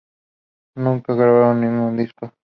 Nunca grabaron ningún disco.